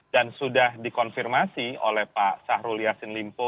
dan sudah dikonfirmasi oleh pak syahrul yassin limpo